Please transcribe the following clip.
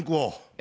え？